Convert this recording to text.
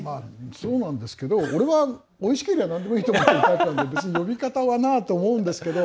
そうなんですけど俺はおいしければなんでもいいと思ってるから別に、呼び方はなあと思うけど。